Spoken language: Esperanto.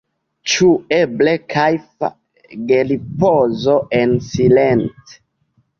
Ĉu eble kajfa geripozo en silent?